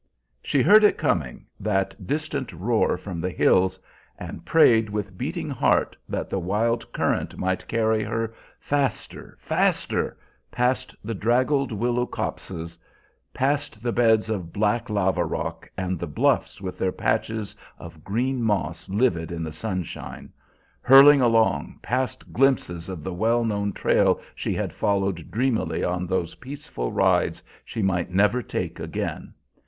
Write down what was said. She heard it coming, that distant roar from the hills, and prayed with beating heart that the wild current might carry her faster faster past the draggled willow copses past the beds of black lava rock, and the bluffs with their patches of green moss livid in the sunshine hurling along, past glimpses of the well known trail she had followed dreamily on those peaceful rides she might never take again.